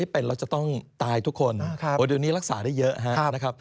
เป็นแล้วจะต้องตายทุกคนเดี๋ยวนี้รักษาได้เยอะนะครับ